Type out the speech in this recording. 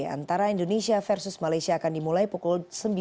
antara indonesia versus malaysia akan dimulai pukul sembilan belas tiga puluh